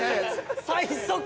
最速！